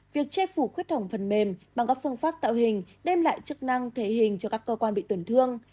việc che phủ huyết thống phần mềm bằng các phương pháp tạo hình đem lại chức năng thể hình cho các cơ quan bị tổn thương